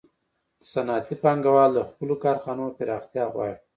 صنعتي پانګوال د خپلو کارخانو پراختیا غواړي